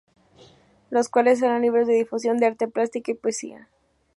Los cuales eran libros de difusión de arte plástica y poesía.